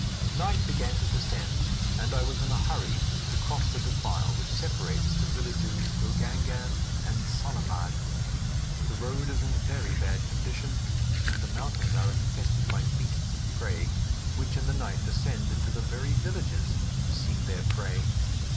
Night began to descend, and I was in a hurry to cross the defile which separates the villages Gogangan and Sonamarg. The road is in very bad condition, and the mountains are infested by beasts of prey which in the night descend into the very villages to seek their prey.